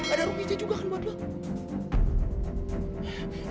ada ruang hijau juga kan buat lu